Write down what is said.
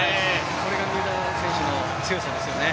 それが三浦選手の強さですよね。